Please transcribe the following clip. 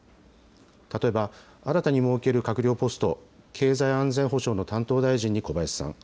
例えば、新たに設ける閣僚ポスト、経済安全保障の担当大臣に小林さん。